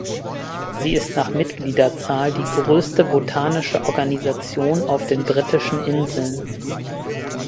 Sie ist nach Mitgliederzahl die größte botanische Organisation auf den Britischen Inseln.